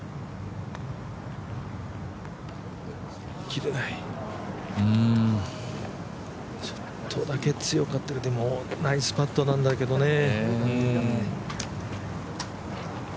切れないちょっとだけ強かったけどでもナイスパットだったんだけどね。